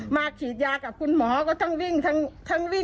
มาฉีดยากับคุณหมอก็ทั้งวิ่งทั้งอะไร